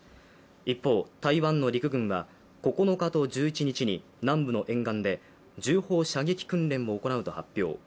一方、台湾の陸軍は９日と１１日に南部の沿岸で銃砲射撃訓練を行うと発表。